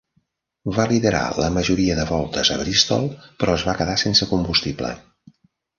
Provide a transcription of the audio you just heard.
Va liderar la majoria de voltes a Bristol, però es va quedar sense combustible.